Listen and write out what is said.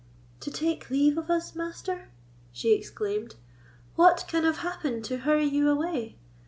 "To take leave of us, Master!" she exclaimed; "what can have happened to hurry you away?